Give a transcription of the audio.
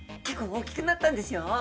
結構大きくなったんですよ。